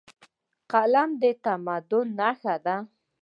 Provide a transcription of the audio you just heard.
قلم د تمدن نښه ده.